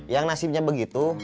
yang nasibnya begitu